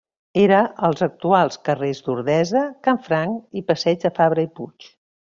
Era als actuals carrers d'Ordesa, Canfranc i Passeig de Fabra i Puig.